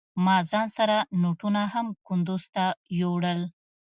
ما ځان سره نوټونه هم کندوز ته يوړل.